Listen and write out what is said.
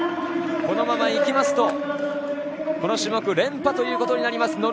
このままいきますとこの種目連覇となります。